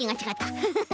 フフフ。